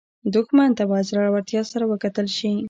دښمن ته باید زړورتیا سره وکتل شي